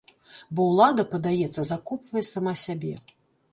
Бо ўлада, падаецца, закопвае сама сябе.